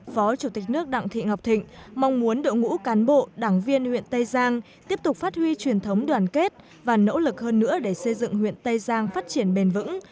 phó chủ tịch nước đặng thị ngọc thịnh mong muốn đội ngũ cán bộ đảng viên huyện tây giang tiếp tục phát huy truyền thống đoàn kết và nỗ lực hơn nữa để xây dựng huyện tây giang phát triển bền vững